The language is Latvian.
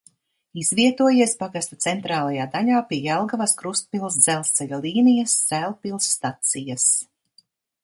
Izvietojies pagasta centrālajā daļā pie Jelgavas–Krustpils dzelzceļa līnijas Sēlpils stacijas.